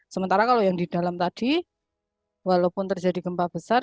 sementara kalau yang di dalam tadi walaupun terjadi gempa besar